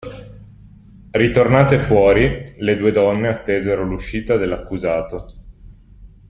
Ritornate fuori, le due donne attesero l'uscita dell'accusato.